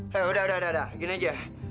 hei udah udah gini aja